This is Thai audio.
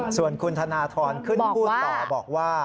ส่วนคุณธนทรขึ้นพูดต่อบอกว่า